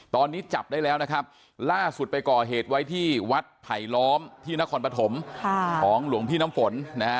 ตอนนี้จับได้แล้วล่าสุดไปก่อเหตุไว้ที่วัฒน์ไถล้อมที่นครปฐมของหลวงพี่น้ำฝน